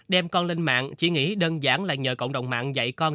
đem con lên mạng chỉ nghĩ đơn giản là nhờ cộng đồng mạng dạy con